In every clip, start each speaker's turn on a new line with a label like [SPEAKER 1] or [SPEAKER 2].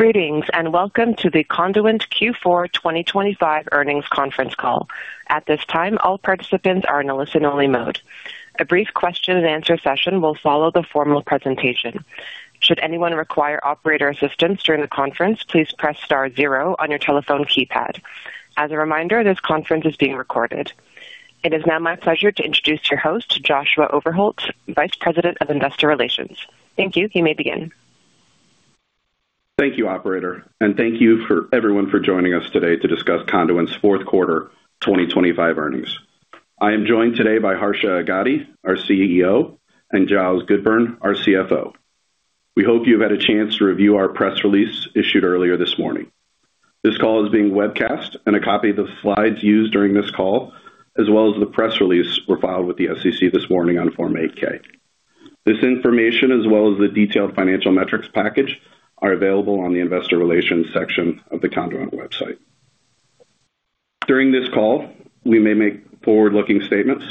[SPEAKER 1] Greetings, and welcome to the Conduent Q4 2025 earnings conference call. At this time, all participants are in listen-only mode. A brief question-and-answer session will follow the formal presentation. Should anyone require operator assistance during the conference, please press star zero on your telephone keypad. As a reminder, this conference is being recorded. It is now my pleasure to introduce your host, Joshua Overholt, Vice President of Investor Relations. Thank you. You may begin.
[SPEAKER 2] Thank you, operator, and thank you for everyone for joining us today to discuss Conduent's fourth quarter 2025 earnings. I am joined today by Harsha Agadi, our CEO, and Giles Goodburn, our CFO. We hope you've had a chance to review our press release issued earlier this morning. This call is being webcast and a copy of the slides used during this call, as well as the press release, were filed with the SEC this morning on Form 8-K. This information, as well as the detailed financial metrics package, are available on the Investor Relations section of the Conduent website. During this call, we may make forward-looking statements.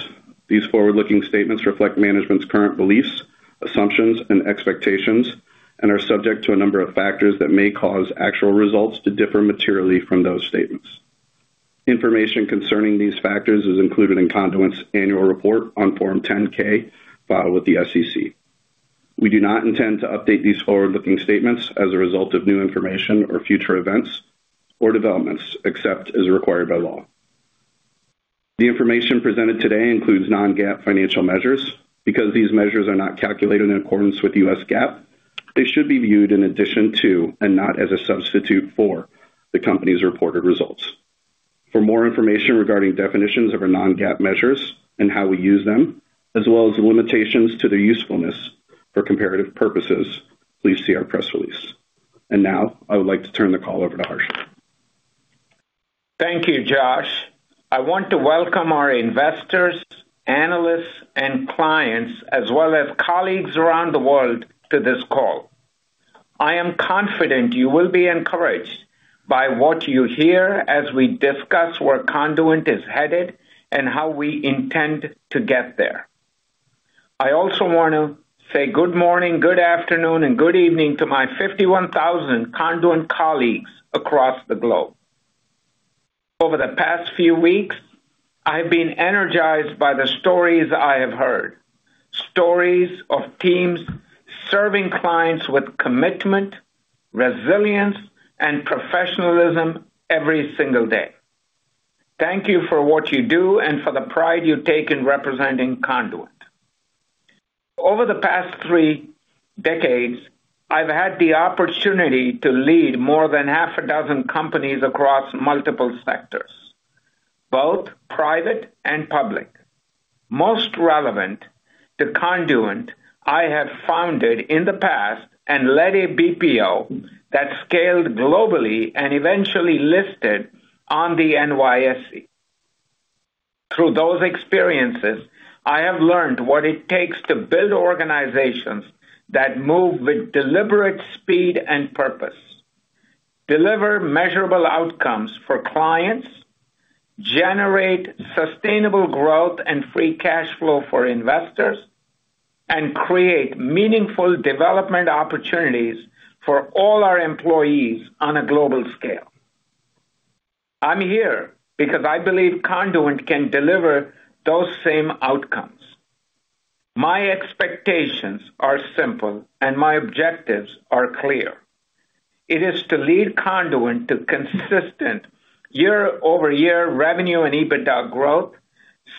[SPEAKER 2] These forward-looking statements reflect management's current beliefs, assumptions, and expectations and are subject to a number of factors that may cause actual results to differ materially from those statements. Information concerning these factors is included in Conduent's annual report on Form 10-K filed with the SEC. We do not intend to update these forward-looking statements as a result of new information or future events or developments, except as required by law. The information presented today includes non-GAAP financial measures. Because these measures are not calculated in accordance with U.S. GAAP, they should be viewed in addition to, and not as a substitute for, the company's reported results. For more information regarding definitions of our non-GAAP measures and how we use them, as well as the limitations to their usefulness for comparative purposes, please see our press release. And now, I would like to turn the call over to Harsha.
[SPEAKER 3] Thank you, Josh. I want to welcome our investors, analysts, and clients, as well as colleagues around the world, to this call. I am confident you will be encouraged by what you hear as we discuss where Conduent is headed and how we intend to get there. I also want to say good morning, good afternoon, and good evening to my 51,000 Conduent colleagues across the globe. Over the past few weeks, I've been energized by the stories I have heard. Stories of teams serving clients with commitment, resilience, and professionalism every single day. Thank you for what you do and for the pride you take in representing Conduent. Over the past three decades, I've had the opportunity to lead more than half a dozen companies across multiple sectors, both private and public. Most relevant to Conduent, I have founded in the past and led a BPO that scaled globally and eventually listed on the NYSE. Through those experiences, I have learned what it takes to build organizations that move with deliberate speed and purpose, deliver measurable outcomes for clients, generate sustainable growth and free cash flow for investors, and create meaningful development opportunities for all our employees on a global scale. I'm here because I believe Conduent can deliver those same outcomes. My expectations are simple, and my objectives are clear. It is to lead Conduent to consistent year-over-year revenue and EBITDA growth,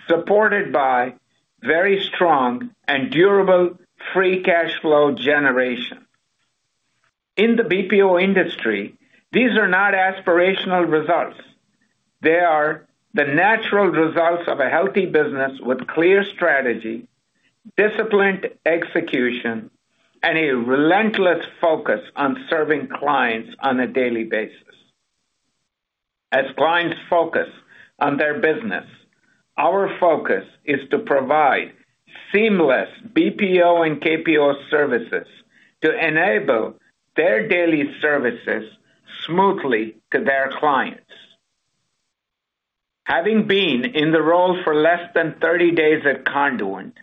[SPEAKER 3] supported by very strong and durable free cash flow generation. In the BPO industry, these are not aspirational results. They are the natural results of a healthy business with clear strategy, disciplined execution, and a relentless focus on serving clients on a daily basis. As clients focus on their business, our focus is to provide seamless BPO and KPO services to enable their daily services smoothly to their clients. Having been in the role for less than 30 days at Conduent,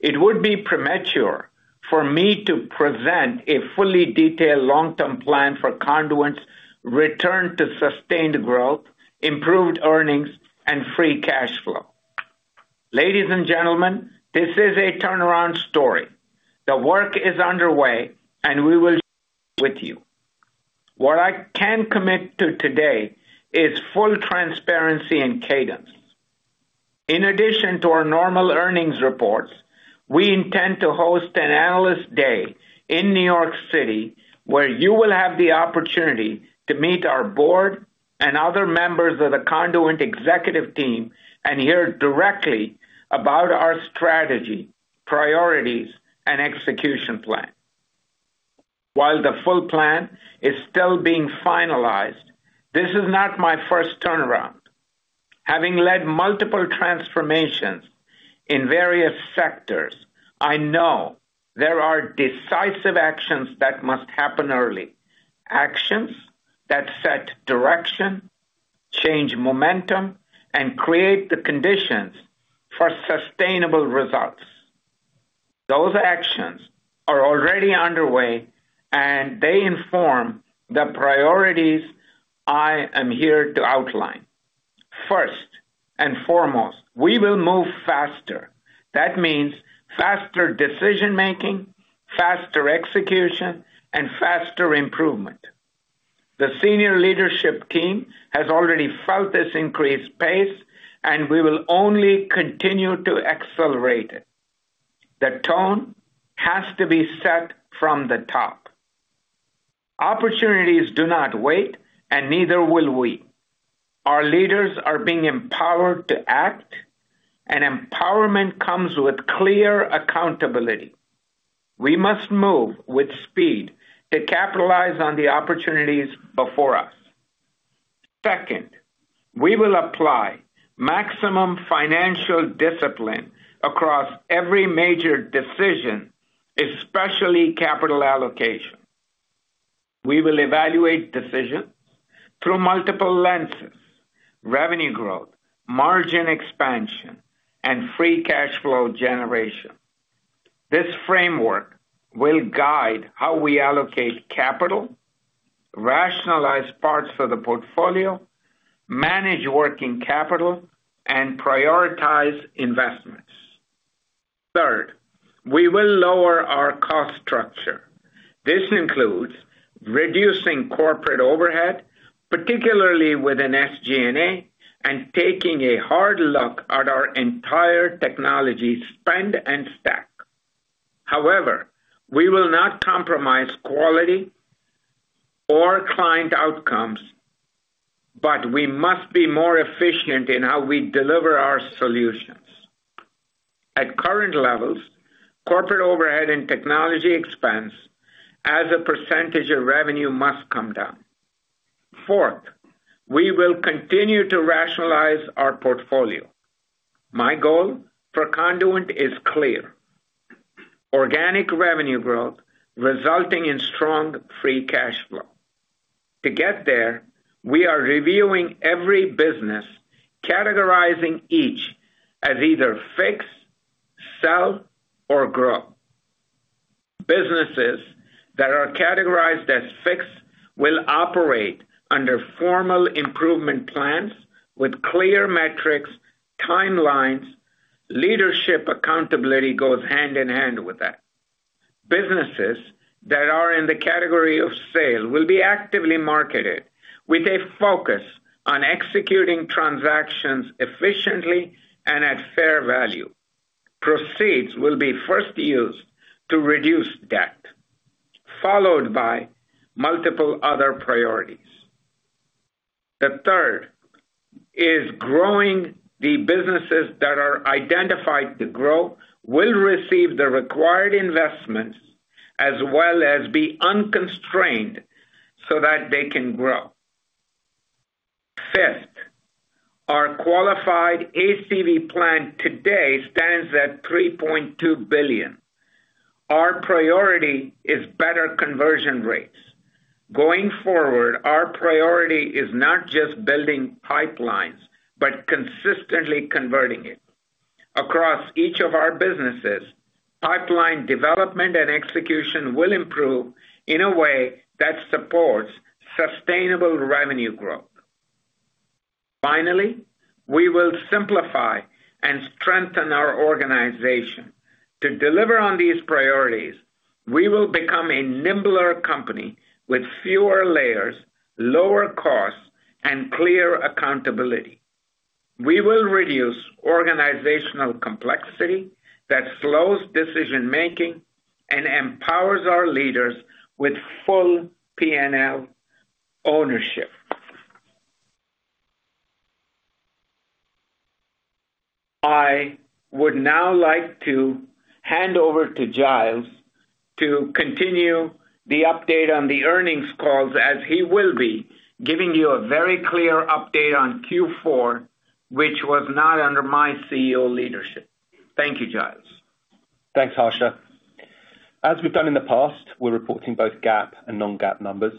[SPEAKER 3] it would be premature for me to present a fully detailed long-term plan for Conduent's return to sustained growth, improved earnings, and free cash flow. Ladies and gentlemen, this is a turnaround story. The work is underway, and we will with you. What I can commit to today is full transparency and cadence. In addition to our normal earnings reports, we intend to host an Analyst Day in New York City, where you will have the opportunity to meet our board and other members of the Conduent executive team and hear directly about our strategy, priorities, and execution plan. While the full plan is still being finalized, this is not my first turnaround. Having led multiple transformations in various sectors, I know there are decisive actions that must happen early, actions that set direction, change momentum, and create the conditions for sustainable results... Those actions are already underway, and they inform the priorities I am here to outline. First and foremost, we will move faster. That means faster decision-making, faster execution, and faster improvement. The senior leadership team has already felt this increased pace, and we will only continue to accelerate it. The tone has to be set from the top. Opportunities do not wait, and neither will we. Our leaders are being empowered to act, and empowerment comes with clear accountability. We must move with speed to capitalize on the opportunities before us. Second, we will apply maximum financial discipline across every major decision, especially capital allocation. We will evaluate decisions through multiple lenses, revenue growth, margin expansion, and free cash flow generation. This framework will guide how we allocate capital, rationalize parts of the portfolio, manage working capital, and prioritize investments. Third, we will lower our cost structure. This includes reducing corporate overhead, particularly within SG&A, and taking a hard look at our entire technology spend and stack. However, we will not compromise quality or client outcomes, but we must be more efficient in how we deliver our solutions. At current levels, corporate overhead and technology expense as a percentage of revenue must come down. Fourth, we will continue to rationalize our portfolio. My goal for Conduent is clear: organic revenue growth resulting in strong free cash flow. To get there, we are reviewing every business, categorizing each as either fix, sell, or grow. Businesses that are categorized as fixed will operate under formal improvement plans with clear metrics, timelines. Leadership accountability goes hand-in-hand with that. Businesses that are in the category of sale will be actively marketed, with a focus on executing transactions efficiently and at fair value. Proceeds will be first used to reduce debt, followed by multiple other priorities. The third is growing the businesses that are identified to grow, will receive the required investments as well as be unconstrained so that they can grow. Fifth, our qualified ACV plan today stands at $3.2 billion. Our priority is better conversion rates. Going forward, our priority is not just building pipelines, but consistently converting it. Across each of our businesses, pipeline development and execution will improve in a way that supports sustainable revenue growth. Finally, we will simplify and strengthen our organization. To deliver on these priorities, we will become a nimbler company with fewer layers, lower costs, and clear accountability. We will reduce organizational complexity that slows decision making and empowers our leaders with full P&L ownership. I would now like to hand over to Giles to continue the update on the earnings calls, as he will be giving you a very clear update on Q4, which was not under my CEO leadership. Thank you, Giles.
[SPEAKER 4] Thanks, Harsha. As we've done in the past, we're reporting both GAAP and non-GAAP numbers.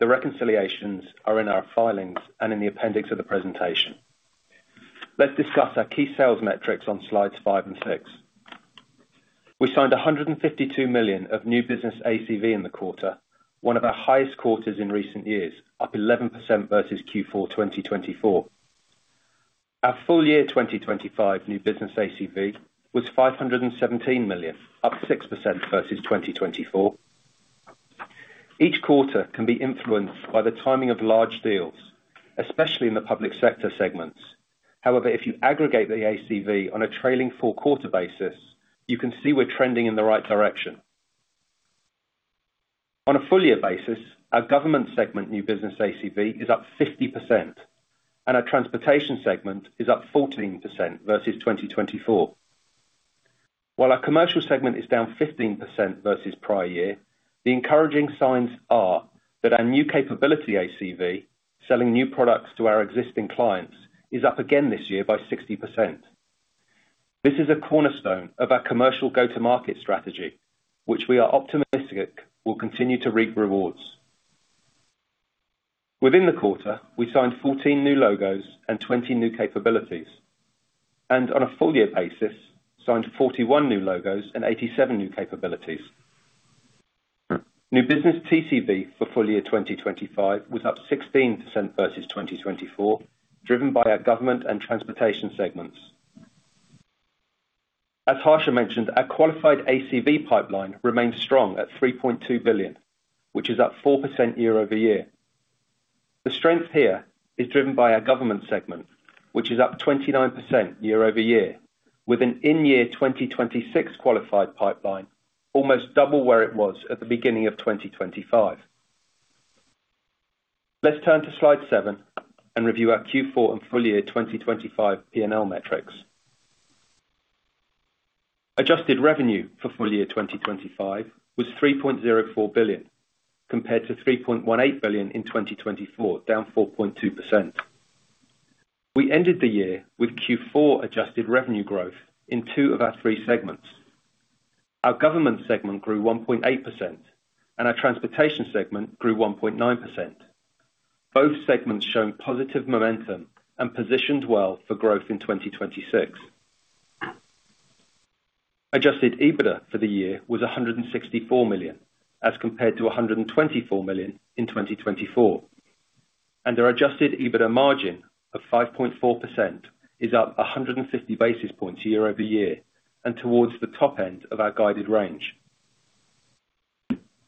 [SPEAKER 4] The reconciliations are in our filings and in the appendix of the presentation. Let's discuss our key sales metrics on slides five and six. We signed $152 million of new business ACV in the quarter, one of our highest quarters in recent years, up 11% versus Q4 2024. Our full year 2025 new business ACV was $517 million, up 6% versus 2024. Each quarter can be influenced by the timing of large deals, especially in the public sector segments. However, if you aggregate the ACV on a trailing four-quarter basis, you can see we're trending in the right direction. On a full year basis, our Government Segment new business ACV is up 50%, and our Transportation segment is up 14% versus 2024. While our Commercial Segment is down 15% versus prior year, the encouraging signs are that our new capability ACV, selling new products to our existing clients, is up again this year by 60%. This is a cornerstone of our commercial go-to-market strategy, which we are optimistic will continue to reap rewards. Within the quarter, we signed 14 new logos and 20 new capabilities, and on a full year basis, signed 41 new logos and 87 new capabilities. New business TCV for full year 2025 was up 16% versus 2024, driven by our government and Transportation segments. As Harsha mentioned, our qualified ACV pipeline remains strong at $3.2 billion, which is up 4% year-over-year. The strength here is driven by our government segment, which is up 29% year-over-year, with an in-year 2026 qualified pipeline, almost double where it was at the beginning of 2025. Let's turn to slide seven and review our Q4 and full year 2025 P&L metrics. Adjusted revenue for full year 2025 was $3.04 billion, compared to $3.18 billion in 2024, down 4.2%. We ended the year with Q4 adjusted revenue growth in two of our three segments. Our government segment grew 1.8% and our Transportation segment grew 1.9%. Both segments shown positive momentum and positioned well for growth in 2026. Adjusted EBITDA for the year was $164 million, as compared to $124 million in 2024. Our adjusted EBITDA margin of 5.4% is up 150 basis points year-over-year, and towards the top end of our guided range.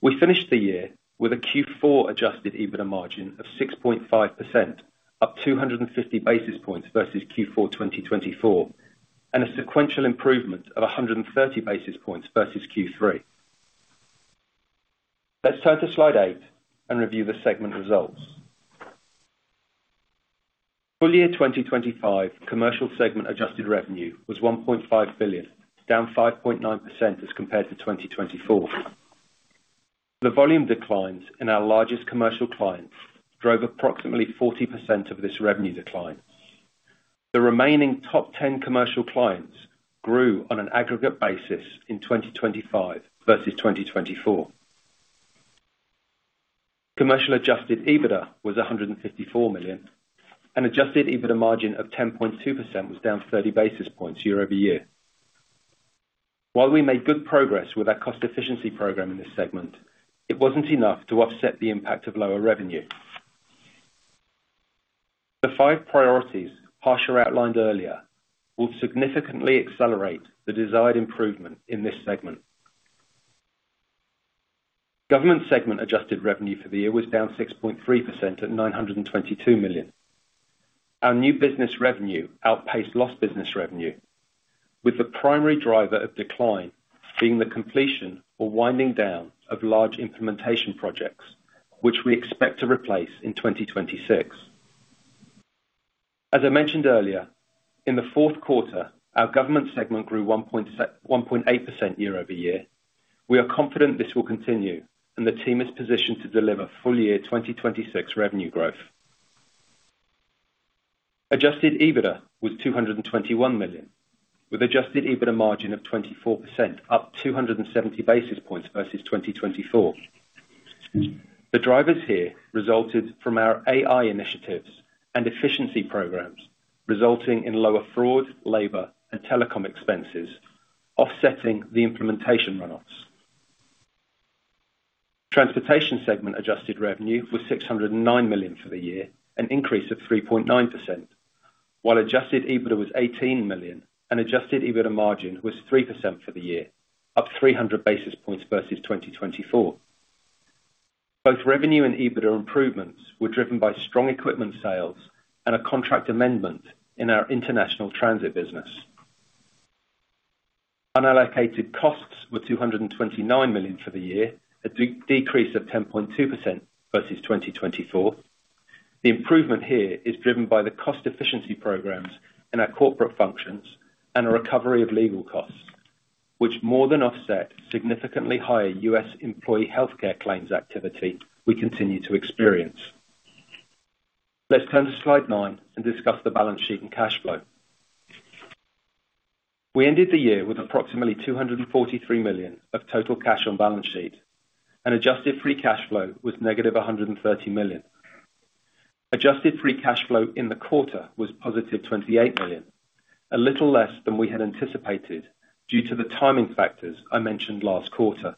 [SPEAKER 4] We finished the year with a Q4 adjusted EBITDA margin of 6.5%, up 250 basis points versus Q4 2024, and a sequential improvement of 130 basis points versus Q3. Let's turn to slide eight and review the segment results. Full year 2025 Commercial Segment adjusted revenue was $1.5 billion, down 5.9% as compared to 2024. The volume declines in our largest commercial clients drove approximately 40% of this revenue decline. The remaining top 10 commercial clients grew on an aggregate basis in 2025 versus 2024. Commercial adjusted EBITDA was $154 million, and adjusted EBITDA margin of 10.2% was down 30 basis points year-over-year. While we made good progress with our cost efficiency program in this segment, it wasn't enough to offset the impact of lower revenue. The five priorities Harsha outlined earlier will significantly accelerate the desired improvement in this segment. Government segment adjusted revenue for the year was down 6.3% at $922 million. Our new business revenue outpaced loss business revenue, with the primary driver of decline being the completion or winding down of large implementation projects, which we expect to replace in 2026. As I mentioned earlier, in the fourth quarter, our government segment grew 1.8% year-over-year. We are confident this will continue, and the team is positioned to deliver full-year 2026 revenue growth. Adjusted EBITDA was $221 million, with adjusted EBITDA margin of 24%, up 270 basis points versus 2024. The drivers here resulted from our AI initiatives and efficiency programs, resulting in lower fraud, labor, and telecom expenses, offsetting the implementation runoffs. Transportation segment adjusted revenue was $609 million for the year, an increase of 3.9%, while adjusted EBITDA was $18 million and adjusted EBITDA margin was 3% for the year, up 300 basis points versus 2024. Both revenue and EBITDA improvements were driven by strong equipment sales and a contract amendment in our international transit business. Unallocated costs were $229 million for the year, a decrease of 10.2% versus 2024. The improvement here is driven by the cost efficiency programs in our corporate functions and a recovery of legal costs, which more than offset significantly higher U.S. employee healthcare claims activity we continue to experience. Let's turn to slide nine and discuss the balance sheet and cash flow. We ended the year with approximately $243 million of total cash on balance sheet and adjusted free cash flow was -$130 million. Adjusted free cash flow in the quarter was positive $28 million, a little less than we had anticipated due to the timing factors I mentioned last quarter.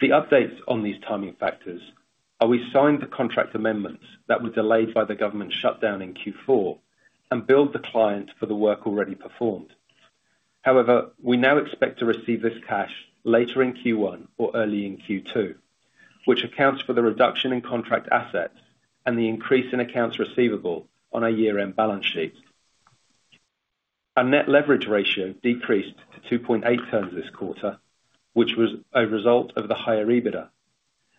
[SPEAKER 4] The updates on these timing factors are we signed the contract amendments that were delayed by the government shutdown in Q4 and billed the client for the work already performed. However, we now expect to receive this cash later in Q1 or early in Q2, which accounts for the reduction in contract assets and the increase in accounts receivable on our year-end balance sheet. Our net leverage ratio decreased to 2.8x this quarter, which was a result of the higher EBITDA,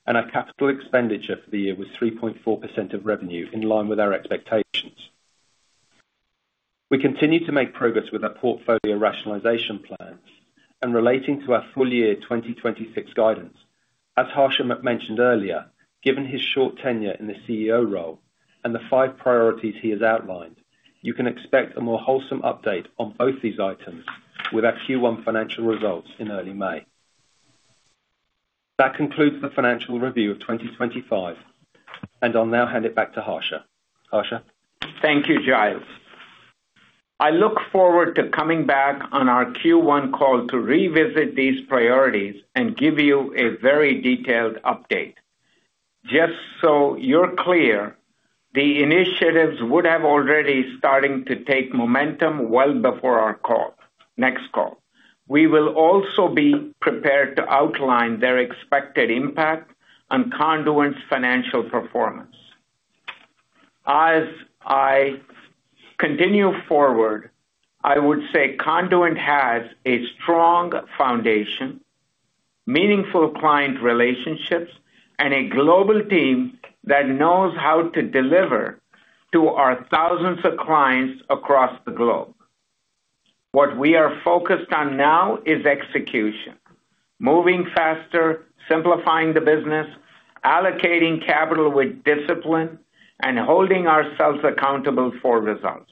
[SPEAKER 4] and our capital expenditure for the year was 3.4% of revenue, in line with our expectations. We continue to make progress with our portfolio rationalization plans and relating to our full year 2026 guidance. As Harsha mentioned earlier, given his short tenure in the CEO role and the five priorities he has outlined, you can expect a more wholesome update on both these items with our Q1 financial results in early May. ...That concludes the financial review of 2025, and I'll now hand it back to Harsha. Harsha?
[SPEAKER 3] Thank you, Giles. I look forward to coming back on our Q1 call to revisit these priorities and give you a very detailed update. Just so you're clear, the initiatives would have already started to take momentum well before our next call. We will also be prepared to outline their expected impact on Conduent's financial performance. As I continue forward, I would say Conduent has a strong foundation, meaningful client relationships, and a global team that knows how to deliver to our thousands of clients across the globe. What we are focused on now is execution, moving faster, simplifying the business, allocating capital with discipline, and holding ourselves accountable for results.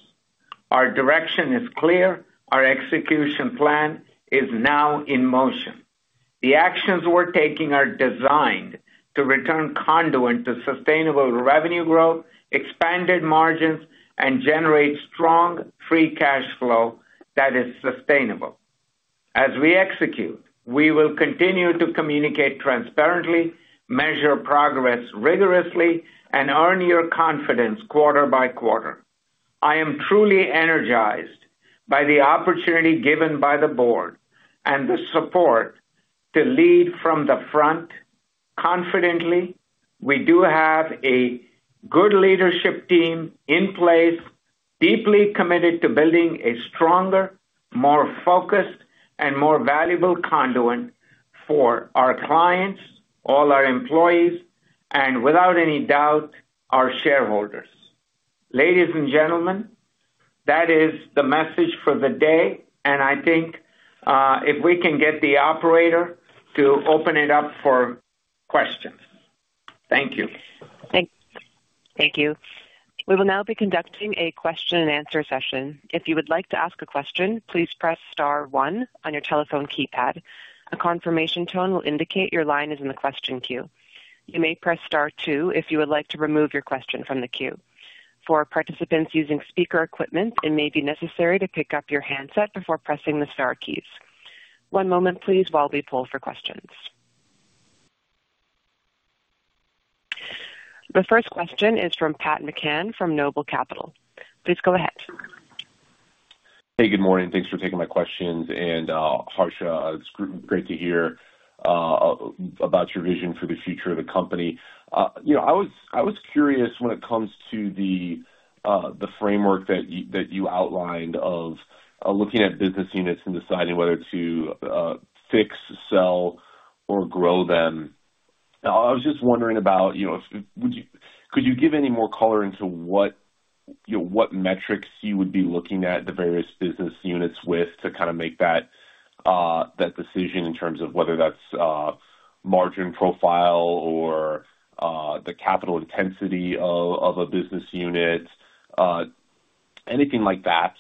[SPEAKER 3] Our direction is clear. Our execution plan is now in motion. The actions we're taking are designed to return Conduent to sustainable revenue growth, expanded margins, and generate strong free cash flow that is sustainable. As we execute, we will continue to communicate transparently, measure progress rigorously, and earn your confidence quarter by quarter. I am truly energized by the opportunity given by the board and the support to lead from the front confidently. We do have a good leadership team in place, deeply committed to building a stronger, more focused, and more valuable Conduent for our clients, all our employees, and without any doubt, our shareholders. Ladies and gentlemen, that is the message for the day, and I think, if we can get the operator to open it up for questions. Thank you.
[SPEAKER 1] Thank you. We will now be conducting a question and answer session. If you would like to ask a question, please press star one on your telephone keypad. A confirmation tone will indicate your line is in the question queue. You may press star two if you would like to remove your question from the queue. For participants using speaker equipment, it may be necessary to pick up your handset before pressing the star keys. One moment please, while we poll for questions. The first question is from Pat McCann from Noble Capital. Please go ahead.
[SPEAKER 5] Hey, good morning. Thanks for taking my questions, and Harsha, it's great to hear about your vision for the future of the company. You know, I was curious when it comes to the framework that you outlined of looking at business units and deciding whether to fix, sell, or grow them. I was just wondering about, you know, would you—could you give any more color into what, you know, what metrics you would be looking at the various business units with to kind of make that decision in terms of whether that's margin profile or the capital intensity of a business unit? Anything like that,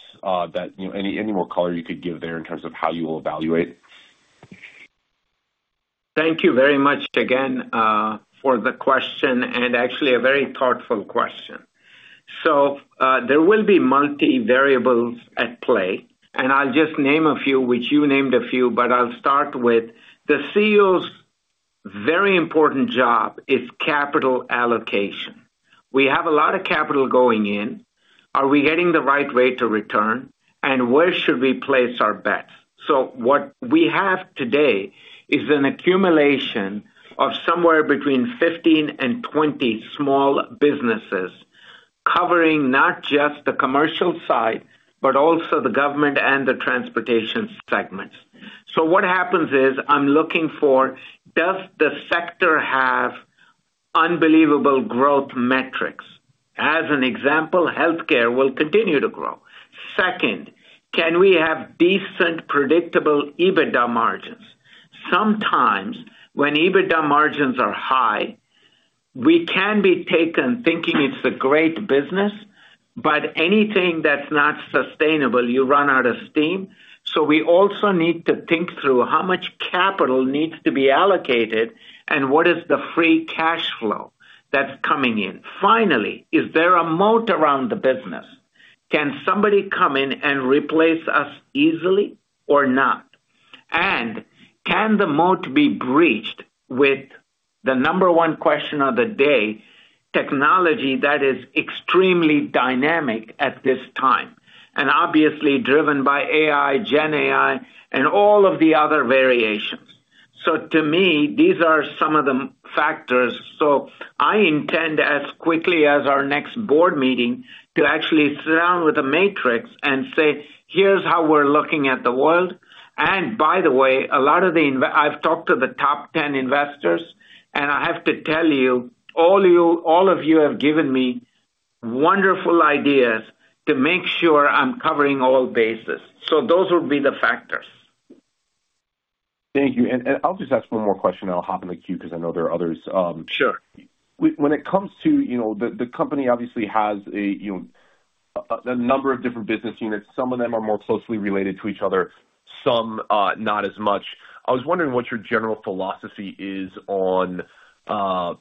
[SPEAKER 5] you know, any more color you could give there in terms of how you will evaluate?
[SPEAKER 3] Thank you very much again for the question, and actually a very thoughtful question. So, there will be multiple variables at play, and I'll just name a few, which you named a few, but I'll start with the CEO's very important job is capital allocation. We have a lot of capital going in. Are we getting the right rate of return, and where should we place our bets? So what we have today is an accumulation of somewhere between 15 and 20 small businesses, covering not just the commercial side, but also the government and the transportation segments. So what happens is, I'm looking for, does the sector have unbelievable growth metrics? As an example, healthcare will continue to grow. Second, can we have decent, predictable EBITDA margins? Sometimes, when EBITDA margins are high, we can be taken thinking it's a great business, but anything that's not sustainable, you run out of steam. So we also need to think through how much capital needs to be allocated and what is the free cash flow that's coming in. Finally, is there a moat around the business? Can somebody come in and replace us easily or not? And can the moat be breached with the number one question of the day, technology that is extremely dynamic at this time and obviously driven by AI, Gen AI, and all of the other variations? So to me, these are some of the factors. So I intend as quickly as our next board meeting, to actually sit down with a matrix and say, "Here's how we're looking at the world." And by the way, a lot of the—I've talked to the top 10 investors, and I have to tell you, all you, all of you have given me wonderful ideas to make sure I'm covering all bases. So those would be the factors.
[SPEAKER 5] Thank you. And, I'll just ask one more question, and I'll hop in the queue because I know there are others.
[SPEAKER 3] Sure....
[SPEAKER 5] When it comes to, you know, the company obviously has a, you know, a number of different business units. Some of them are more closely related to each other, some not as much. I was wondering what your general philosophy is on a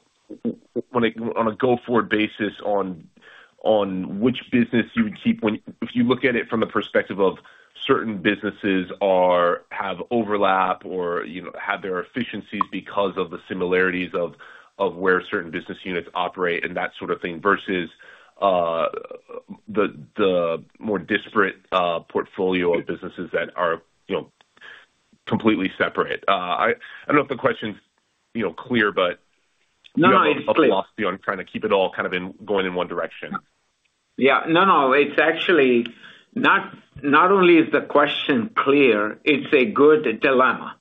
[SPEAKER 5] go-forward basis on which business you would keep if you look at it from the perspective of certain businesses have overlap or, you know, have their efficiencies because of the similarities of where certain business units operate and that sort of thing, versus the more disparate portfolio of businesses that are, you know, completely separate. I don't know if the question's, you know, clear, but-
[SPEAKER 3] No, no, it's clear.
[SPEAKER 5] A philosophy on trying to keep it all kind of in, going in one direction.
[SPEAKER 3] Yeah. No, no, it's actually not, not only is the question clear, it's a good dilemma.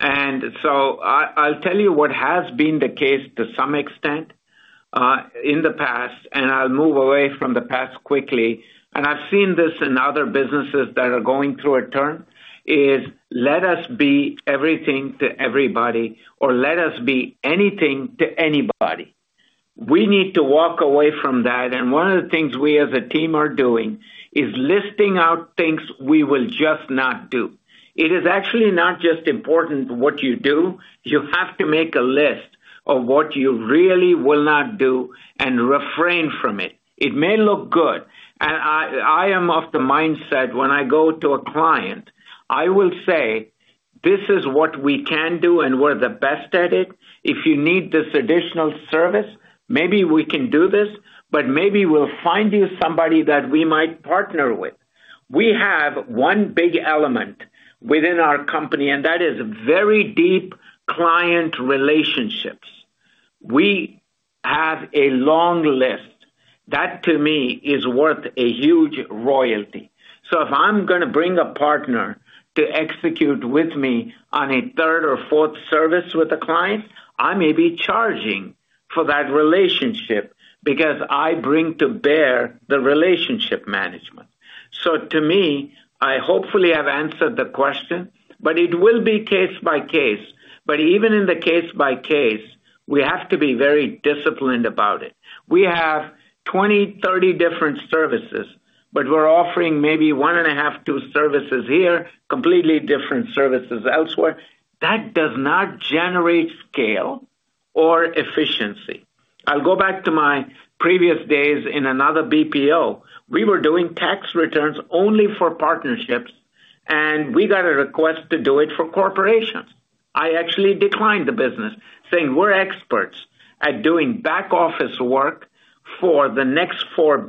[SPEAKER 3] And so I, I'll tell you what has been the case to some extent in the past, and I'll move away from the past quickly, and I've seen this in other businesses that are going through a turn, is let us be everything to everybody, or let us be anything to anybody. We need to walk away from that, and one of the things we as a team are doing is listing out things we will just not do. It is actually not just important what you do, you have to make a list of what you really will not do and refrain from it. It may look good, and I, I am of the mindset when I go to a client, I will say, "This is what we can do, and we're the best at it. If you need this additional service, maybe we can do this, but maybe we'll find you somebody that we might partner with." We have one big element within our company, and that is very deep client relationships. We have a long list. That, to me, is worth a huge royalty. So if I'm gonna bring a partner to execute with me on a third or fourth service with a client, I may be charging for that relationship because I bring to bear the relationship management. So to me, I hopefully have answered the question, but it will be case by case. But even in the case by case, we have to be very disciplined about it. We have 20-30 different services, but we're offering maybe 1.5-2 services here, completely different services elsewhere. That does not generate scale or efficiency. I'll go back to my previous days in another BPO. We were doing tax returns only for partnerships, and we got a request to do it for corporations. I actually declined the business, saying, "We're experts at doing back office work for the Big Four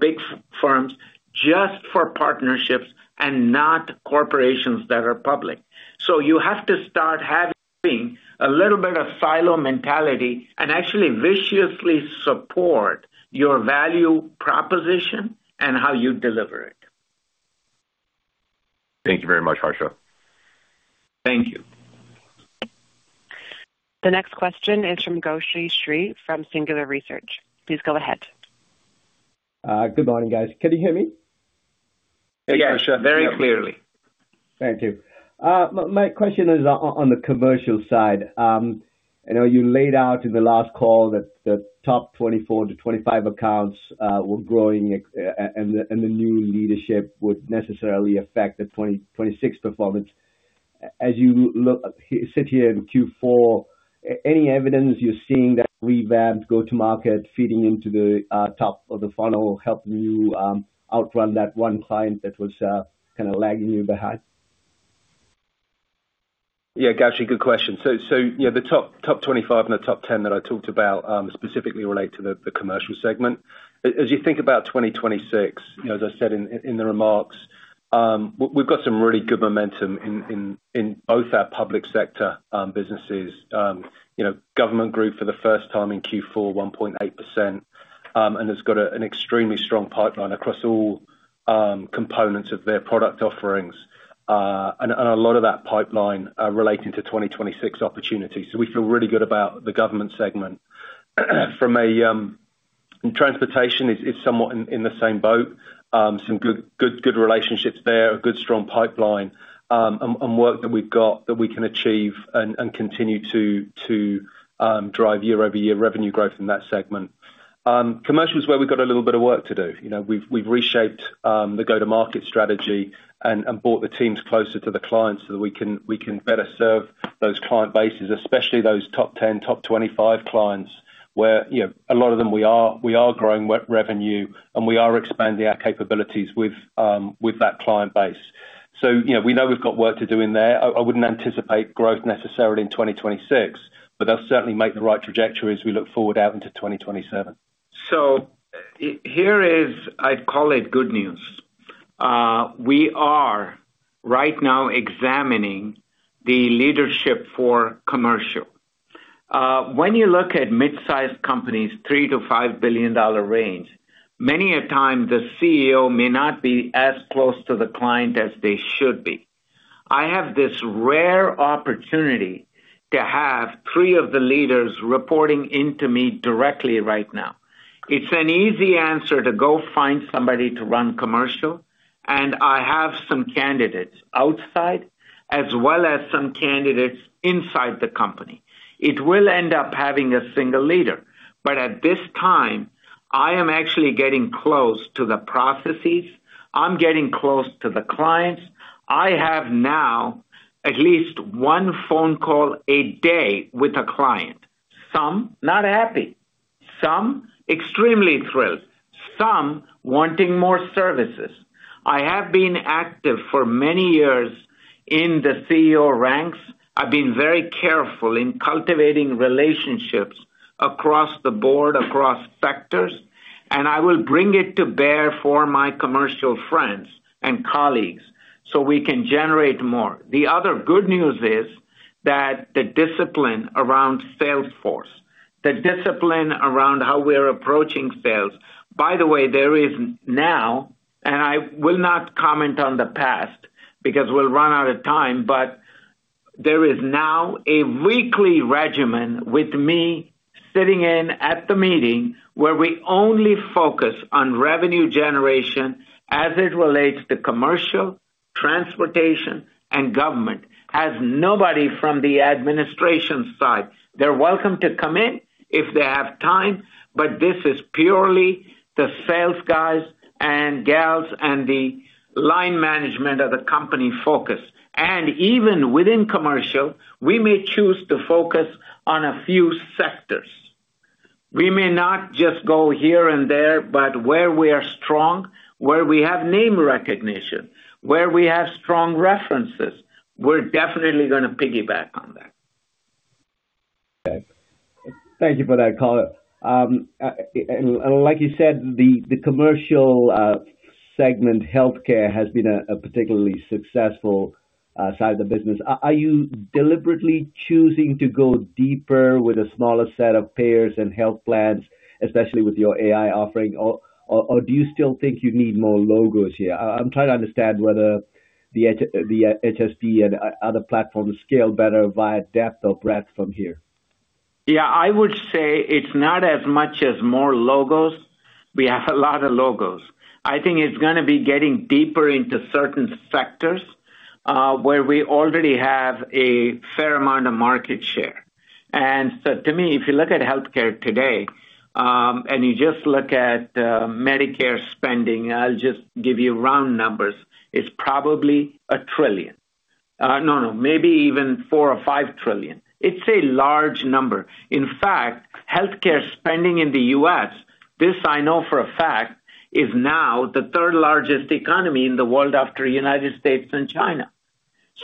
[SPEAKER 3] firms, just for partnerships and not corporations that are public." So you have to start having a little bit of silo mentality and actually viciously support your value proposition and how you deliver it.
[SPEAKER 5] Thank you very much, Harsha.
[SPEAKER 3] Thank you.
[SPEAKER 1] The next question is from Gowshi Sri from Singular Research. Please go ahead.
[SPEAKER 6] Good morning, guys. Can you hear me?
[SPEAKER 3] Yes, very clearly.
[SPEAKER 6] Thank you. My question is on the commercial side. I know you laid out in the last call that the top 24-25 accounts were growing, and the new leadership would necessarily affect the 2026 performance. As you sit here in Q4, any evidence you're seeing that revamped go-to-market fitting into the top of the funnel, helping you outrun that one client that was kind of lagging you behind?
[SPEAKER 4] Yeah, Gowshi, good question. So, you know, the top 25 and the top 10 that I talked about specifically relate to the Commercial Segment. As you think about 2026, you know, as I said in the remarks, we've got some really good momentum in both our public sector businesses. You know, government group for the first time in Q4, 1.8%, and has got an extremely strong pipeline across all components of their product offerings, and a lot of that pipeline relating to 2026 opportunities. So we feel really good about the government segment. From a transportation is somewhat in the same boat. Some good relationships there, a good, strong pipeline, and work that we've got that we can achieve and continue to drive year-over-year revenue growth in that segment. Commercial is where we've got a little bit of work to do. You know, we've reshaped the go-to-market strategy and brought the teams closer to the clients so that we can better serve those client bases, especially those top 10, top 25 clients, where, you know, a lot of them, we are growing revenue, and we are expanding our capabilities with that client base. So, you know, we know we've got work to do in there. I wouldn't anticipate growth necessarily in 2026, but they'll certainly make the right trajectory as we look forward out into 2027.
[SPEAKER 3] So here is, I'd call it, good news. We are right now examining the leadership for commercial. When you look at mid-sized companies, $3 billion-$5 billion range, many a time the CEO may not be as close to the client as they should be. I have this rare opportunity to have three of the leaders reporting into me directly right now. It's an easy answer to go find somebody to run commercial... and I have some candidates outside as well as some candidates inside the company. It will end up having a single leader, but at this time, I am actually getting close to the processes. I'm getting close to the clients. I have now at least one phone call a day with a client. Some not happy, some extremely thrilled, some wanting more services. I have been active for many years in the CEO ranks. I've been very careful in cultivating relationships across the board, across sectors, and I will bring it to bear for my commercial friends and colleagues so we can generate more. The other good news is that the discipline around sales force, the discipline around how we're approaching sales... By the way, there is now, and I will not comment on the past because we'll run out of time, but there is now a weekly regimen with me sitting in at the meeting, where we only focus on revenue generation as it relates to commercial, transportation, and government, has nobody from the administration side. They're welcome to come in if they have time, but this is purely the sales guys and gals and the line management of the company focus. Even within commercial, we may choose to focus on a few sectors. We may not just go here and there, but where we are strong, where we have name recognition, where we have strong references, we're definitely gonna piggyback on that.
[SPEAKER 6] Okay. Thank you for that color. And like you said, the Commercial Segment, healthcare, has been a particularly successful side of the business. Are you deliberately choosing to go deeper with a smaller set of payers and health plans, especially with your AI offering? Or do you still think you need more logos here? I'm trying to understand whether the HSB and other platforms scale better via depth or breadth from here.
[SPEAKER 3] Yeah, I would say it's not as much as more logos. We have a lot of logos. I think it's gonna be getting deeper into certain sectors, where we already have a fair amount of market share. And so to me, if you look at healthcare today, and you just look at, Medicare spending, I'll just give you round numbers, it's probably $1 trillion. No, no, maybe even $4 or $5 trillion. It's a large number. In fact, healthcare spending in the U.S., this I know for a fact, is now the third-largest economy in the world, after United States and China.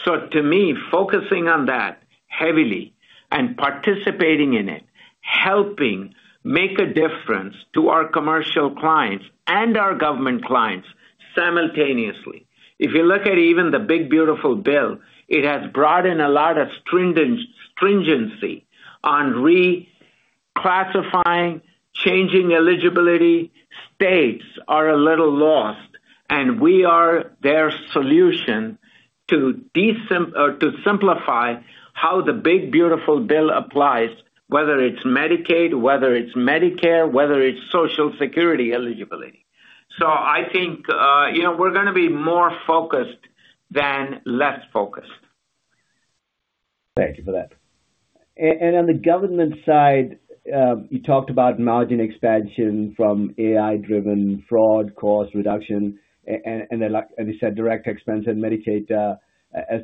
[SPEAKER 3] So to me, focusing on that heavily and participating in it, helping make a difference to our commercial clients and our government clients simultaneously. If you look at even the big, beautiful bill, it has brought in a lot of stringency on reclassifying, changing eligibility. States are a little lost, and we are their solution to simplify how the big, beautiful bill applies, whether it's Medicaid, whether it's Medicare, whether it's Social Security eligibility. So I think, you know, we're gonna be more focused than less focused.
[SPEAKER 6] Thank you for that. And on the government side, you talked about margin expansion from AI-driven fraud, cost reduction, and you said direct expense and Medicaid as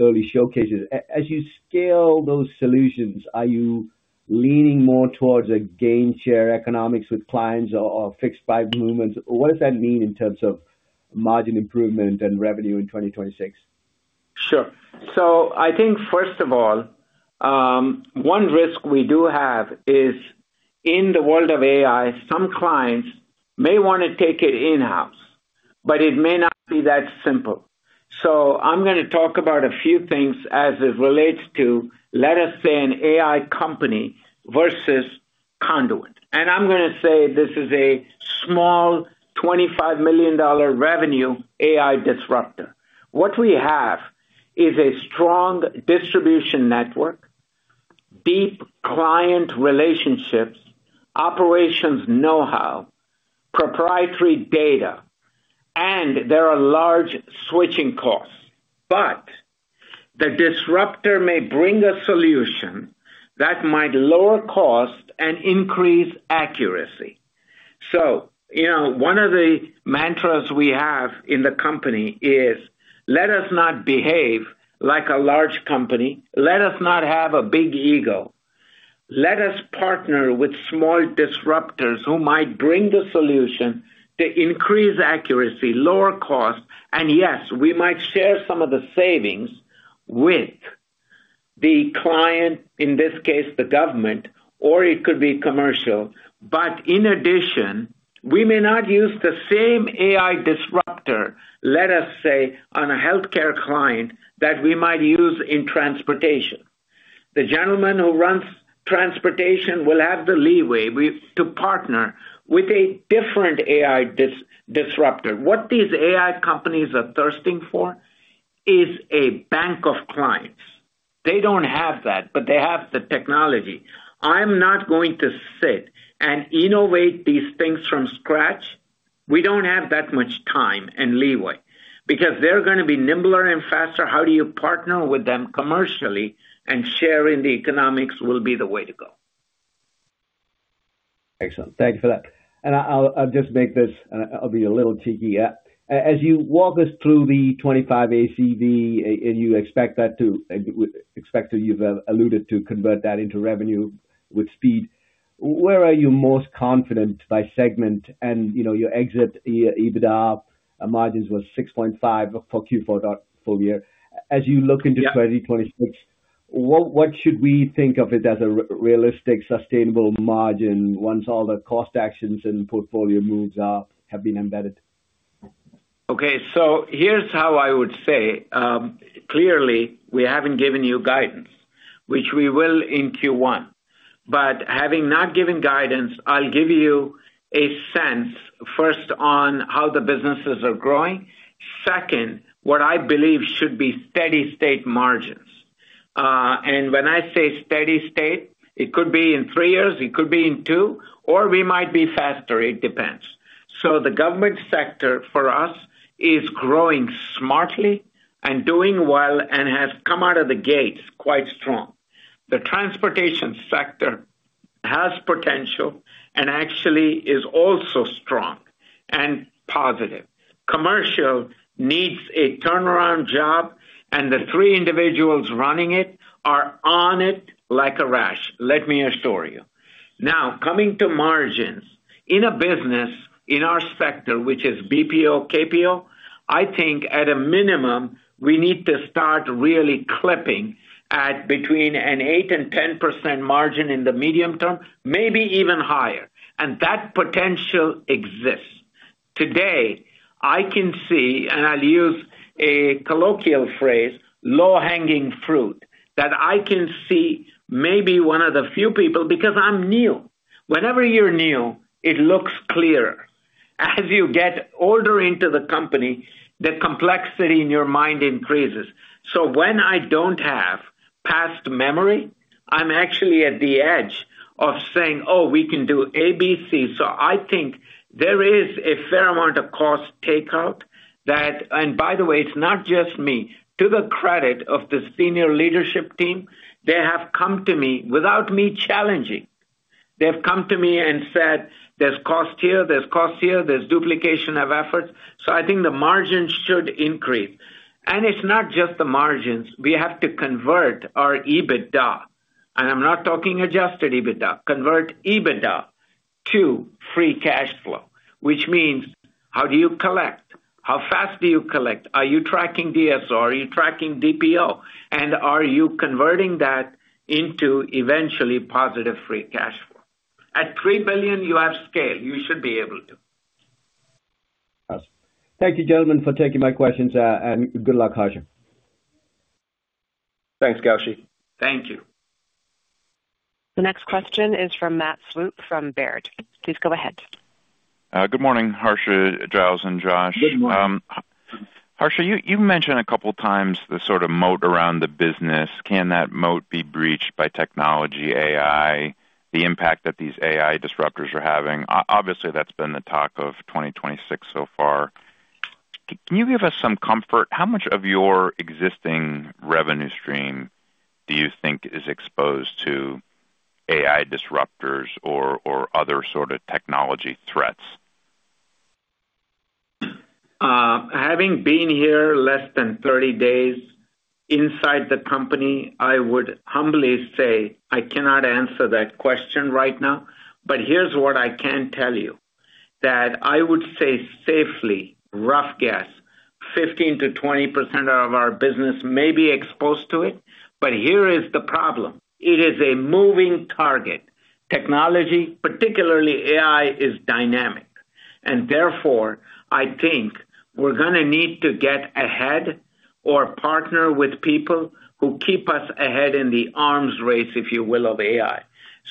[SPEAKER 6] early showcases. As you scale those solutions, are you leaning more towards a gainshare economics with clients or fixed pipe movements? What does that mean in terms of margin improvement and revenue in 2026?
[SPEAKER 3] Sure. So I think, first of all, one risk we do have is in the world of AI, some clients may wanna take it in-house, but it may not be that simple. So I'm gonna talk about a few things as it relates to, let us say, an AI company versus Conduent, and I'm gonna say this is a small, $25 million revenue AI disruptor. What we have is a strong distribution network, deep client relationships, operations know-how, proprietary data, and there are large switching costs. But the disruptor may bring a solution that might lower cost and increase accuracy. So you know, one of the mantras we have in the company is: Let us not behave like a large company. Let us not have a big ego. Let us partner with small disruptors who might bring the solution to increase accuracy, lower cost, and yes, we might share some of the savings with the client, in this case, the government, or it could be commercial. But in addition, we may not use the same AI disruptor, let us say, on a healthcare client, that we might use in transportation. The gentleman who runs transportation will have the leeway with to partner with a different AI disruptor. What these AI companies are thirsting for is a bank of clients.... They don't have that, but they have the technology. I'm not going to sit and innovate these things from scratch. We don't have that much time and leeway, because they're gonna be nimbler and faster. How do you partner with them commercially and share in the economics will be the way to go.
[SPEAKER 6] Excellent. Thank you for that. And I'll, I'll just make this, I'll be a little cheeky, yeah. As you walk us through the 25 ACV, and you expect that to expect that you've alluded to convert that into revenue with speed, where are you most confident by segment? And, you know, your exit EBITDA margins was 6.5 for Q4. Full year. As you look into-
[SPEAKER 3] Yeah
[SPEAKER 6] 2026, what, what should we think of it as a realistic, sustainable margin once all the cost actions and portfolio moves are, have been embedded?
[SPEAKER 3] Okay, so here's how I would say, clearly, we haven't given you guidance, which we will in Q1. But having not given guidance, I'll give you a sense, first, on how the businesses are growing. Second, what I believe should be steady state margins. And when I say steady state, it could be in three years, it could be in two, or we might be faster, it depends. So the government sector for us is growing smartly and doing well and has come out of the gates quite strong. The transportation sector has potential and actually is also strong and positive. Commercial needs a turnaround job, and the three individuals running it are on it like a rash. Let me assure you. Now, coming to margins. In a business, in our sector, which is BPO, KPO, I think at a minimum, we need to start really clipping at between an 8% and 10% margin in the medium term, maybe even higher, and that potential exists. Today, I can see, and I'll use a colloquial phrase, low hanging fruit, that I can see maybe one of the few people, because I'm new. Whenever you're new, it looks clearer. As you get older into the company, the complexity in your mind increases. So when I don't have past memory, I'm actually at the edge of saying, "Oh, we can do A, B, C." So I think there is a fair amount of cost takeout that... And by the way, it's not just me. To the credit of the senior leadership team, they have come to me, without me challenging, they have come to me and said, "There's cost here, there's cost here, there's duplication of efforts." So I think the margins should increase. And it's not just the margins. We have to convert our EBITDA, and I'm not talking adjusted EBITDA, convert EBITDA to free cash flow, which means how do you collect? How fast do you collect? Are you tracking DSO? Are you tracking DPO? And are you converting that into eventually positive free cash flow? At $3 billion, you have scale, you should be able to.
[SPEAKER 6] Thank you, gentlemen, for taking my questions, and good luck, Harsha.
[SPEAKER 4] Thanks, Gowshi.
[SPEAKER 3] Thank you.
[SPEAKER 1] The next question is from Matt Swope from Baird. Please go ahead.
[SPEAKER 7] Good morning, Harsha, Giles and Josh.
[SPEAKER 3] Good morning.
[SPEAKER 7] Harsha, you, you mentioned a couple of times the sort of moat around the business. Can that moat be breached by technology, AI, the impact that these AI disruptors are having? Obviously, that's been the talk of 2026 so far. Can you give us some comfort? How much of your existing revenue stream do you think is exposed to AI disruptors or, or other sort of technology threats?
[SPEAKER 3] Having been here less than 30 days inside the company, I would humbly say I cannot answer that question right now. But here's what I can tell you, that I would say safely, rough guess, 15%-20% of our business may be exposed to it. But here is the problem: it is a moving target. Technology, particularly AI, is dynamic, and therefore, I think we're gonna need to get ahead or partner with people who keep us ahead in the arms race, if you will, of AI.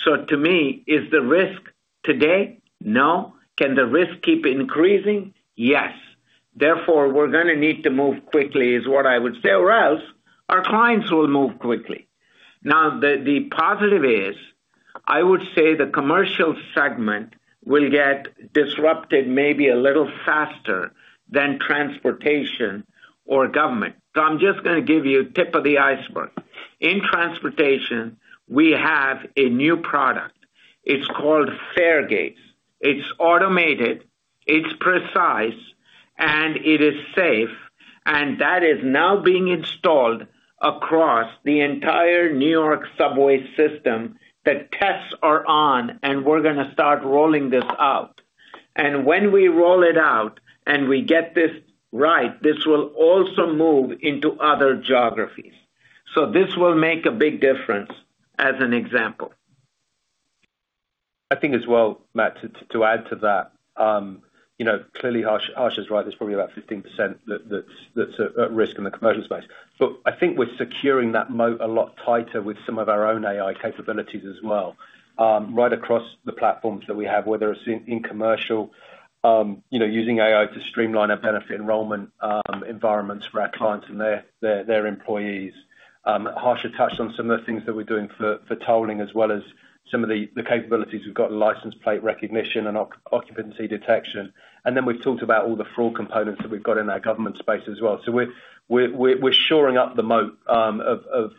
[SPEAKER 3] So to me, is the risk today? No. Can the risk keep increasing? Yes. Therefore, we're gonna need to move quickly, is what I would say, or else our clients will move quickly. Now, the positive is, I would say the Commercial Segment will get disrupted maybe a little faster than transportation or government. So I'm just gonna give you a tip of the iceberg. In transportation, we have a new product. It's called Faregate. It's automated, it's precise, and it is safe, and that is now being installed across the entire New York subway system. The tests are on, and we're gonna start rolling this out. And when we roll it out and we get this right, this will also move into other geographies. So this will make a big difference as an example.
[SPEAKER 4] I think as well, Matt, to add to that. You know, clearly, Harsha, Harsha's right, there's probably about 15% that's at risk in the commercial space. But I think we're securing that moat a lot tighter with some of our own AI capabilities as well, right across the platforms that we have, whether it's in commercial, you know, using AI to streamline our benefit enrollment environments for our clients and their employees. Harsha touched on some of the things that we're doing for tolling, as well as some of the capabilities. We've got license plate recognition and occupancy detection, and then we've talked about all the fraud components that we've got in our government space as well. So we're shoring up the moat of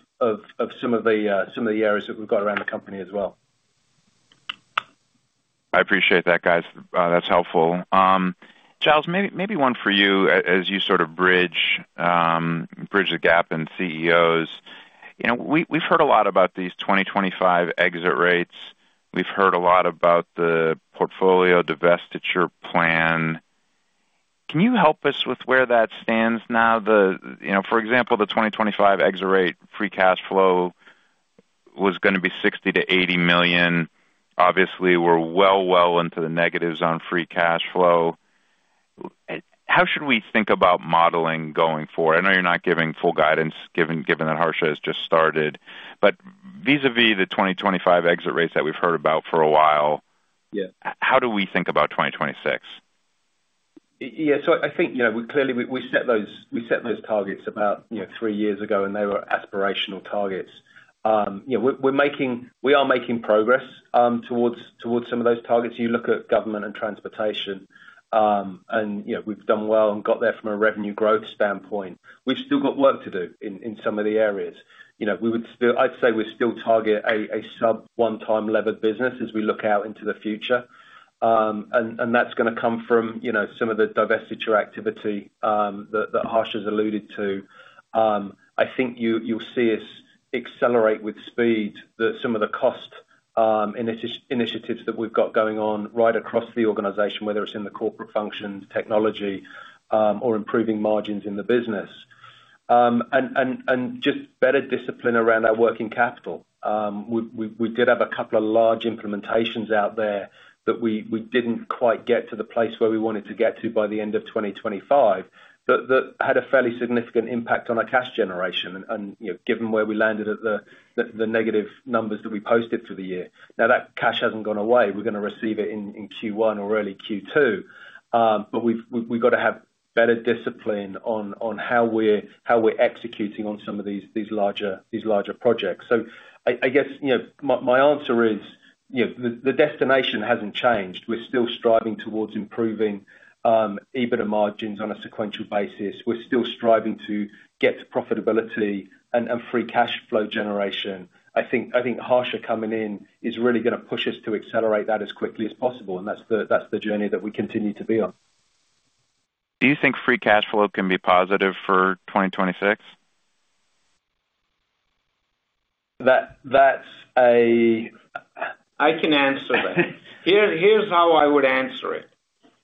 [SPEAKER 4] some of the areas that we've got around the company as well.
[SPEAKER 7] I appreciate that, guys. That's helpful. Giles, maybe one for you as you sort of bridge the gap in CEOs. You know, we've heard a lot about these 2025 exit rates. We've heard a lot about the portfolio divestiture plan. Can you help us with where that stands now? You know, for example, the 2025 exit rate, free cash flow was gonna be $60 million-$80 million. Obviously, we're well into the negatives on free cash flow. How should we think about modeling going forward? I know you're not giving full guidance, given that Harsha has just started, but vis-à-vis the 2025 exit rates that we've heard about for a while-
[SPEAKER 4] Yeah.
[SPEAKER 7] How do we think about 2026?
[SPEAKER 4] Yeah, so I think, you know, clearly we set those targets about three years ago, and they were aspirational targets. You know, we are making progress towards some of those targets. You look at government and transportation, and, you know, we've done well and got there from a revenue growth standpoint. We've still got work to do in some of the areas. You know, we would still... I'd say we still target a sub one-time levered business as we look out into the future. And that's gonna come from, you know, some of the divestiture activity that Harsha's alluded to. I think you, you'll see us accelerate with speed, the—some of the cost initiatives that we've got going on right across the organization, whether it's in the corporate function, technology, or improving margins in the business. And just better discipline around our working capital. We did have a couple of large implementations out there that we didn't quite get to the place where we wanted to get to by the end of 2025, but that had a fairly significant impact on our cash generation. And, you know, given where we landed at the negative numbers that we posted for the year. Now, that cash hasn't gone away. We're gonna receive it in Q1 or early Q2. But we've got to have better discipline on how we're executing on some of these larger projects. So I guess, you know, my answer is, you know, the destination hasn't changed. We're still striving towards improving EBITDA margins on a sequential basis. We're still striving to get to profitability and free cash flow generation. I think Harsha coming in is really gonna push us to accelerate that as quickly as possible, and that's the journey that we continue to be on.
[SPEAKER 7] Do you think free cash flow can be positive for 2026?
[SPEAKER 4] That's a-
[SPEAKER 3] I can answer that. Here, here's how I would answer it: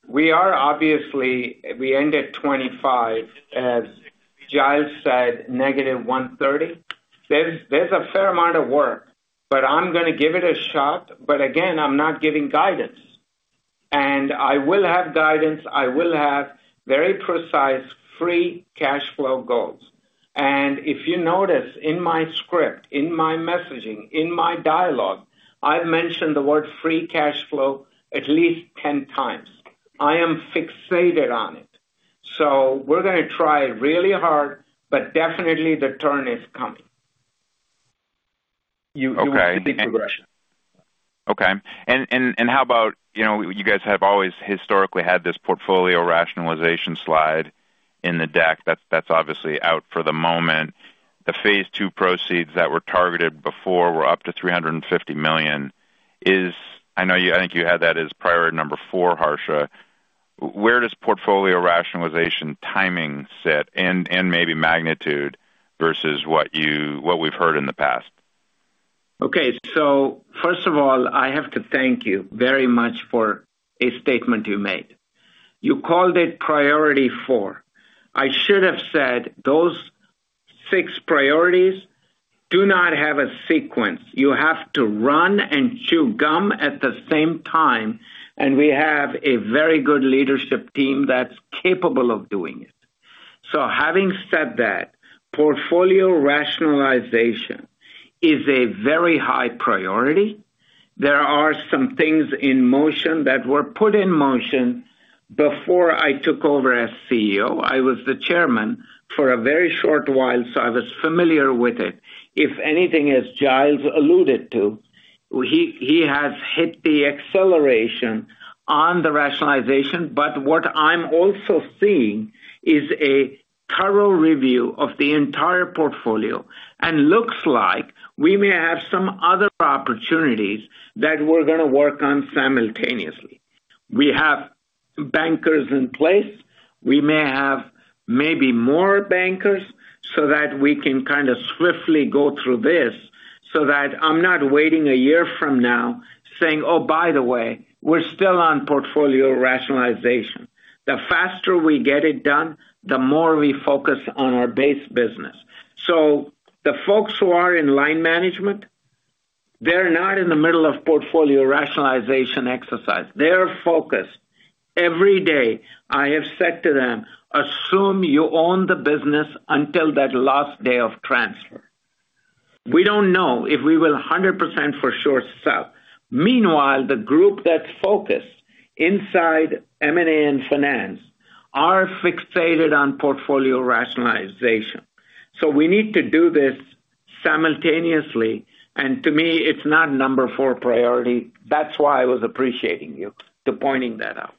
[SPEAKER 3] We are obviously, we end at 25, as Giles said, negative 130. There's a fair amount of work, but I'm gonna give it a shot. But again, I'm not giving guidance. And I will have guidance, I will have very precise free cash flow goals. And if you notice in my script, in my messaging, in my dialogue, I've mentioned the word free cash flow at least 10 times. I am fixated on it, so we're gonna try really hard, but definitely the turn is coming. You will see progression.
[SPEAKER 7] Okay. And how about... You know, you guys have always historically had this portfolio rationalization slide in the deck. That's obviously out for the moment. The phase two proceeds that were targeted before were up to $350 million. Is, I know you, I think you had that as priority number four, Harsha. Where does portfolio rationalization timing sit and maybe magnitude versus what we've heard in the past?
[SPEAKER 3] Okay. So first of all, I have to thank you very much for a statement you made. You called it priority four. I should have said those six priorities do not have a sequence. You have to run and chew gum at the same time, and we have a very good leadership team that's capable of doing it. So having said that, portfolio rationalization is a very high priority. There are some things in motion that were put in motion before I took over as CEO. I was the Chairman for a very short while, so I was familiar with it. If anything, as Giles alluded to, he has hit the acceleration on the rationalization. But what I'm also seeing is a thorough review of the entire portfolio, and looks like we may have some other opportunities that we're gonna work on simultaneously. We have bankers in place. We may have maybe more bankers so that we can kind of swiftly go through this, so that I'm not waiting a year from now saying, "Oh, by the way, we're still on portfolio rationalization." The faster we get it done, the more we focus on our base business. So the folks who are in line management. They're not in the middle of portfolio rationalization exercise. They are focused every day. I have said to them, "Assume you own the business until that last day of transfer." We don't know if we will 100% for sure sell. Meanwhile, the group that's focused inside M&A and finance are fixated on portfolio rationalization. So we need to do this simultaneously, and to me, it's not number four priority. That's why I was appreciating you to pointing that out.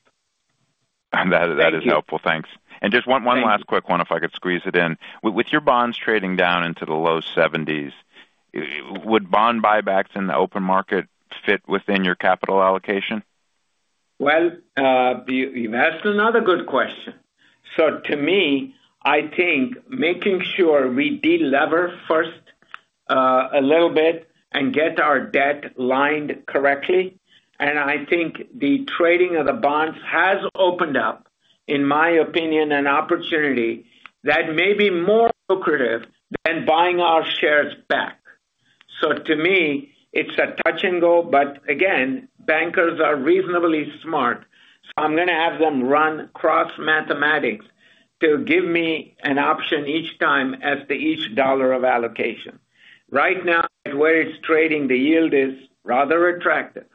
[SPEAKER 7] That, that is helpful. Thanks.
[SPEAKER 3] Thank you.
[SPEAKER 7] Just one, one last quick one, if I could squeeze it in. With your bonds trading down into the low seventies, would bond buybacks in the open market fit within your capital allocation?
[SPEAKER 3] Well, you've asked another good question. So to me, I think making sure we de-lever first, a little bit and get our debt lined correctly, and I think the trading of the bonds has opened up, in my opinion, an opportunity that may be more lucrative than buying our shares back. So to me, it's a touch and go, but again, bankers are reasonably smart, so I'm gonna have them run cross mathematics to give me an option each time as to each dollar of allocation. Right now, where it's trading, the yield is rather attractive.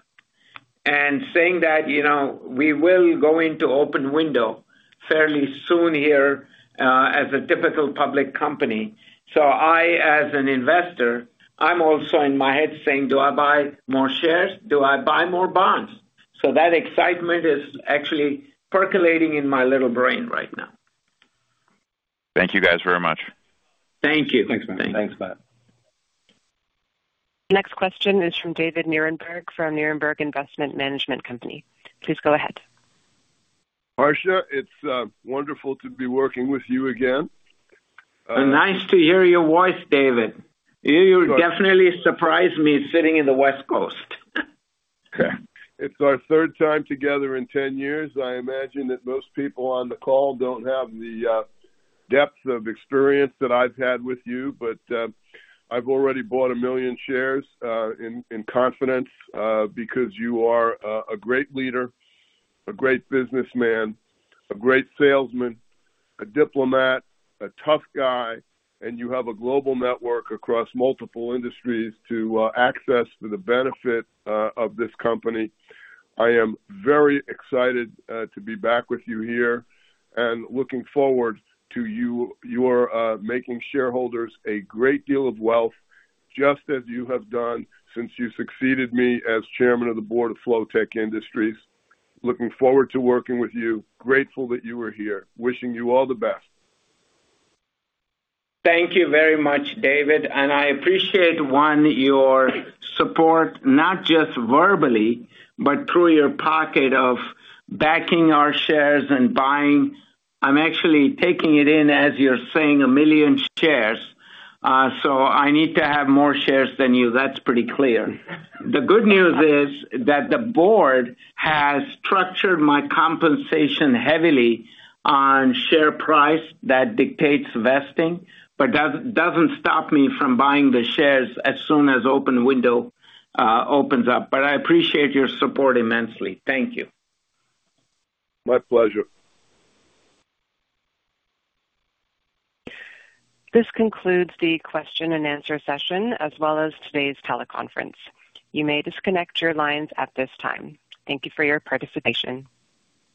[SPEAKER 3] And saying that, you know, we will go into open window fairly soon here, as a typical public company. So I, as an investor, I'm also in my head saying: Do I buy more shares? Do I buy more bonds? That excitement is actually percolating in my little brain right now.
[SPEAKER 7] Thank you guys very much.
[SPEAKER 3] Thank you.
[SPEAKER 4] Thanks, Matt. Thanks, Matt.
[SPEAKER 1] Next question is from David Nierenberg, from Nierenberg Investment Management Company. Please go ahead.
[SPEAKER 8] Harsha, it's wonderful to be working with you again,
[SPEAKER 3] Nice to hear your voice, David. You definitely surprised me sitting in the West Coast.
[SPEAKER 8] Okay. It's our third time together in 10 years. I imagine that most people on the call don't have the depth of experience that I've had with you, but I've already bought 1 million shares in confidence because you are a great leader, a great businessman, a great salesman, a diplomat, a tough guy, and you have a global network across multiple industries to access for the benefit of this company. I am very excited to be back with you here, and looking forward to you. You are making shareholders a great deal of wealth, just as you have done since you succeeded me as chairman of the board of Flotek Industries. Looking forward to working with you. Grateful that you are here. Wishing you all the best.
[SPEAKER 3] Thank you very much, David, and I appreciate, one, your support, not just verbally, but through your pocket of backing our shares and buying. I'm actually taking it in as you're saying, 1 million shares, so I need to have more shares than you. That's pretty clear. The good news is that the board has structured my compensation heavily on share price. That dictates vesting, but doesn't stop me from buying the shares as soon as open window opens up. But I appreciate your support immensely. Thank you.
[SPEAKER 8] My pleasure.
[SPEAKER 1] This concludes the question and answer session, as well as today's teleconference. You may disconnect your lines at this time. Thank you for your participation.